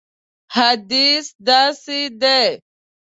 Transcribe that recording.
حدیث داسې دی.